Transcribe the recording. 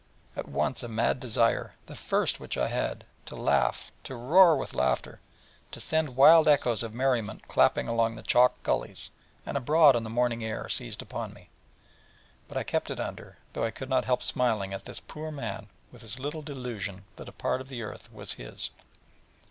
At once a mad desire the first which I had had to laugh, to roar with laughter, to send wild echoes of merriment clapping among the chalk gullies, and abroad on the morning air, seized upon me: but I kept it under, though I could not help smiling at this poor man, with his little delusion that a part of the earth was his.